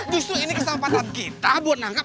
justru ini kesempatan kita buat nangkep